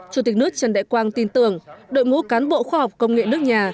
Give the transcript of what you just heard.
chủ tịch nước trần đại quang tin tưởng đội ngũ cán bộ khoa học công nghệ nước nhà